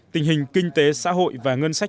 tình hình kinh tế xã hội và ngân sách